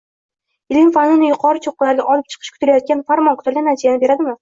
Ilm-fanini yuqori cho‘qqilarga olib chiqishi kutilayotgan Farmon kutilgan natijani beradimi?